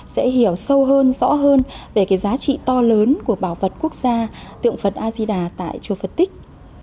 sẽ hiểu sâu hơn rõ hơn về cái giá trị to lớn của bảo vật quốc gia tượng phật ajida tại chùa phật tích